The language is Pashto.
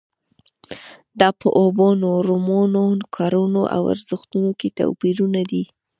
دا په اوبو، نورمونو، کړنو او ارزښتونو کې توپیرونه دي.